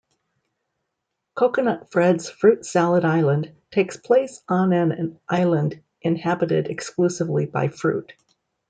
"Coconut Fred's Fruit Salad Island" takes place on an island inhabited exclusively by fruit.